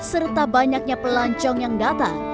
serta banyaknya pelancong yang datang